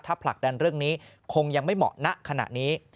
ผลักดันเรื่องนี้คงยังไม่เหมาะณขณะนี้